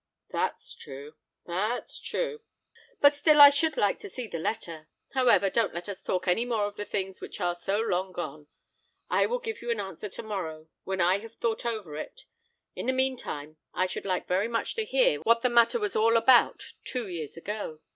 "That's true, that's true!" said the man; "but still I should like to see the letter. However, don't let us talk any more of things which are so long gone. I will give you an answer to morrow, when I have thought over it. In the mean time, I should like very much to hear what the matter was all about two years ago.